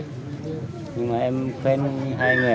nhưng mà em khuyên hai người